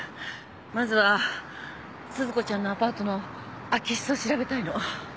まずは鈴子ちゃんのアパートの空き室を調べたいの。